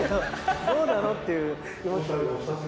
どうなのっていう。